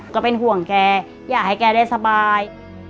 ก็เป็นห่วงแกอยากให้แกได้สบาย